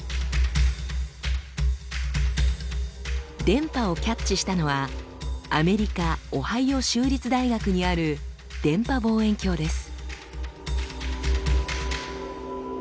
電波をキャッチしたのはアメリカオハイオ州立大学にある電波望遠鏡です。